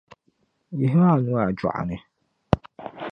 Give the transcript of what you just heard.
Yihimi a nuhi a jɔɣu ni.